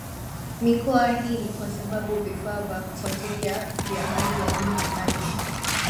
mikoa Hii ni kwa sababu vifaa vya kufuatilia vya hali ya juu ni ghali